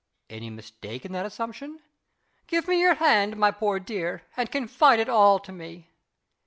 Any mistake in that assumption? "Give me your hand, my poor dear, and confide it all to _me!